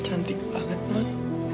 cantik banget nuan